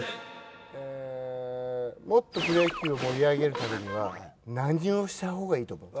もっとプロ野球を盛り上げるためには何をした方がいいと思う？